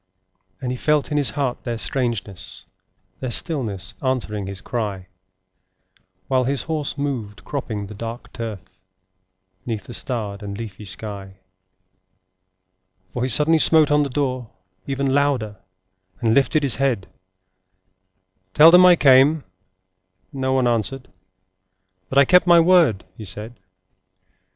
And he felt in his heart their strangeness, Their stillness answering his cry, While his horse moved, cropping the dark turf, 'Neath the starred and leafy sky; For he suddenly smote on the door, even Louder, and lifted his head:— 'Tell them I came, and no one answered, That I kept my word,' he said.